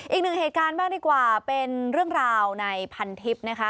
อีกหนึ่งเหตุการณ์บ้างดีกว่าเป็นเรื่องราวในพันทิพย์นะคะ